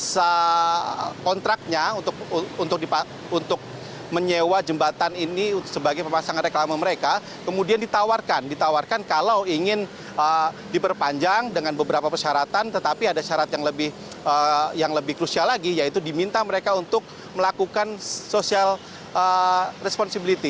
jadi kontraknya untuk menyewa jembatan ini sebagai pemasangan reklama mereka kemudian ditawarkan ditawarkan kalau ingin diperpanjang dengan beberapa persyaratan tetapi ada syarat yang lebih krusial lagi yaitu diminta mereka untuk melakukan social responsibility